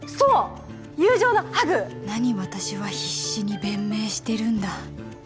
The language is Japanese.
何私は必死に弁明してるんだ